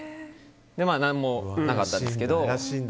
まあ何もなかったんですけど。